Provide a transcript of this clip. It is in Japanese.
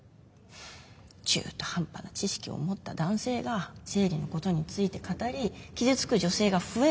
中途半端な知識を持った男性が生理のことについて語り傷つく女性が増える。